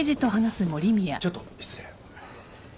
ちょっと失礼。